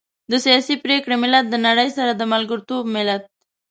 د سياسي پرېکړې ملت، له نړۍ سره د ملګرتوب ملت.